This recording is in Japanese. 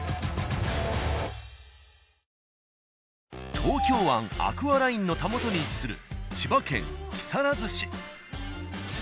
東京湾アクアラインのたもとに位置する千葉県木更津市。